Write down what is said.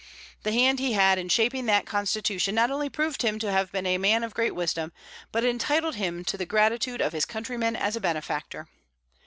The hand he had in shaping that constitution not only proved him to have been a man of great wisdom, but entitled him to the gratitude of his countrymen as a benefactor.